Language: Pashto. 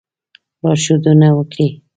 لارښودنه وکړي.